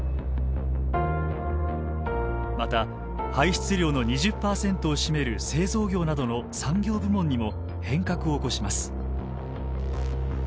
また排出量の２０％を占める製造業などの産業部門にも変革を起こします。